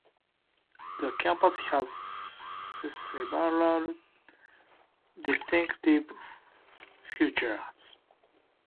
The campus has several distinctive features.